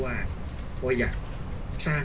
ส่วนยังแบร์ดแซมแบร์ด